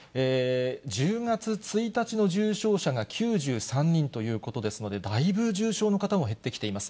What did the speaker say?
１０月１日の重症者が９３人ということですので、だいぶ重症の方も減ってきています。